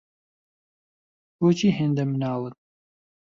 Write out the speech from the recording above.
بۆچی هێندە مناڵن؟